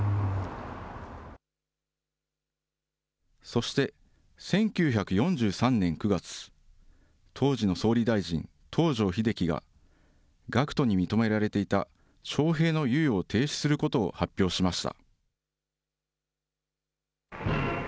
そして１９４３年９月、当時の総理大臣、東條英機が学徒に認められていた徴兵の猶予を停止することを発表しました。